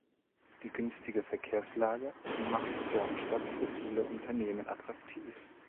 Die günstige Verkehrslage macht Dornstadt für viele Unternehmen attraktiv.